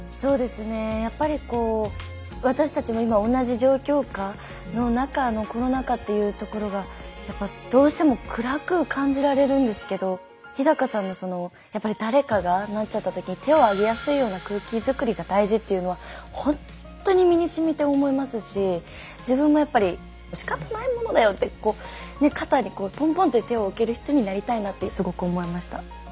やっぱりこう私たちも今同じ状況下の中のコロナ禍っていうところがやっぱどうしても暗く感じられるんですけど日さんのそのやっぱり誰かがなっちゃった時に手をあげやすいような空気づくりが大事っていうのはほんっとに身にしみて思いますし自分もやっぱりしかたないものだよって肩にポンポンって手を置ける人になりたいなってすごく思いました。